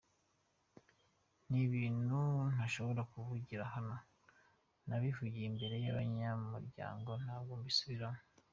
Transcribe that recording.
Ni ibintu ntashobora kuvugira hano nabivugiye imbere y’abanyamuryango ntabwo mbisubiramo.